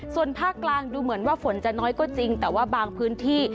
ส่วนภาคกลางดูเหมือนว่าฝนจะน้อยก็จริงแต่ว่าบางพื้นที่